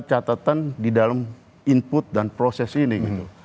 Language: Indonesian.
catatan di dalam input dan proses ini gitu